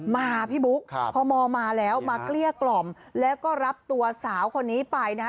มาพี่บุ๊คพมมาแล้วมาเกลี้ยกล่อมแล้วก็รับตัวสาวคนนี้ไปนะฮะ